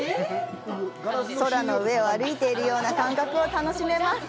空の上を歩いているような感覚を楽しめます。